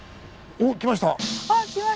あっ来ました。